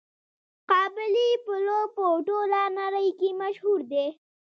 قابلي پلو په ټوله نړۍ کې مشهور دی.